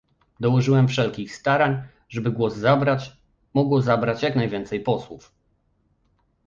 Dołożyłem wszelkich starań, żeby głos zabrać mogło zabrać jak najwięcej posłów